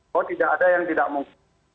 bahwa tidak ada yang tidak mungkin